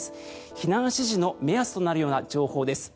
避難指示の目安となるような情報です。